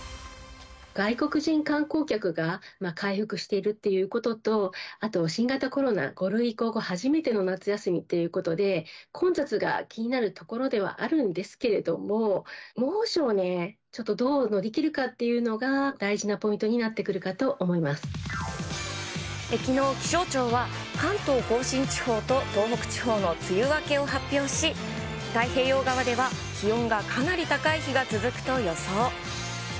外国人観光客が回復しているっていうことと、あと新型コロナ５類移行後、初めての夏休みということで、混雑が気になるところではあるんですけれども、猛暑をね、ちょっとどう乗り切るかっていうのが、大事なポイントになってくきのう、気象庁は関東甲信地方と東北地方乃梅雨明けを発表し、太平洋側では気温がかなり高い日が続くと予想。